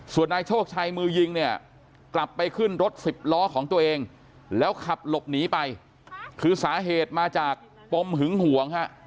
ส่วนนายโชคชัยมือยิงเนี่ยกลับไปขึ้นรถสิบล้อของตัวเองแล้วขับหลบหนีไปคือสาเหตุมาจากปมหึงหวงฮะ